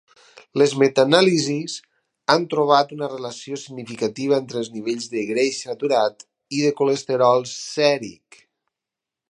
Les metanàlisis han trobat una relació significativa entre els nivells de greix saturat i de colesterol sèric.